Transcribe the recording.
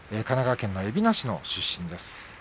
神奈川県の海老名市出身。